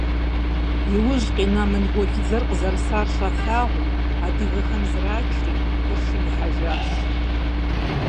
Иужь къина монголыдзэр къызэрысар щалъагъум, адыгэхэм зрачри, къуршым ихьэжащ.